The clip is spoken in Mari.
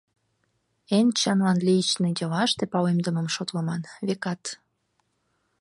Эн чынлан личный делаште палемдымым шотлыман, векат.